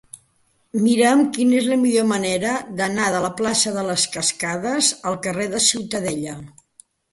Mira'm quina és la millor manera d'anar de la plaça de les Cascades al carrer de Ciutadella.